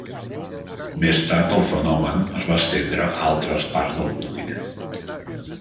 Més tard el fenomen es va estendre a altres parts del continent.